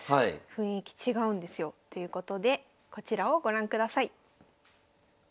雰囲気違うんですよ。ということでこちらをご覧ください。